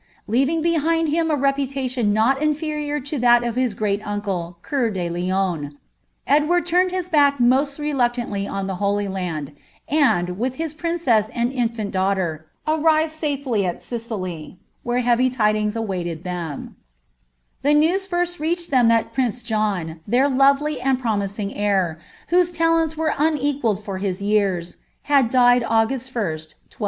Lmvibi behind him a reputation nol inferior to that of his great uncle, Cwut tit Lion, Edward turned his buck post reluciandy on the Uoly l^nd; Mil, with his princess and her infant daughter, arrived safely at Sicily, whm heavy tidings awaited thei The news first reached them that prince John, their lovely and pn rowing heir, whose talents were uneijualled for his years, luul i" August 1, 187^.